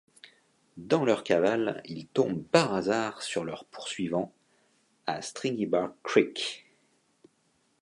Dans leurs cavales, ils tombent par hasard sur leurs poursuivants à Stringybark Creek.